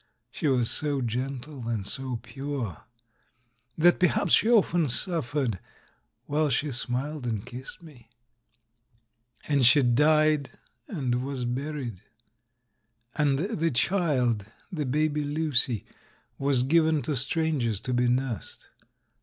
She was so gentle and so pure, that perhaps she often suf fered, while she smiled and kissed me ?... And she died and was buried. And the child — the baby Lucy — was given to strangers to be nursed.